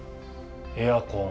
エアコン。